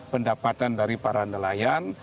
pendapatan dari para nelayan